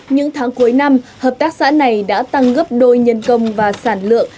những tháng cuối năm hợp tác xã này đã tăng gấp đôi nhân công và sản lượng